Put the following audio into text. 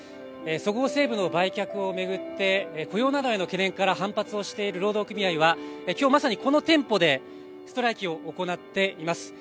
そごう・西武の売却を巡って雇用などへの懸念から反発している労働組合はきょうまさにこの店舗でストライキを行っています。